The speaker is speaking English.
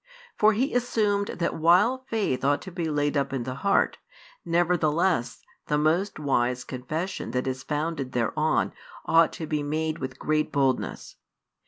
For He assumed that while faith ought to be laid up in the heart, nevertheless the most wise confession that is founded thereon ought to be made with great boldness.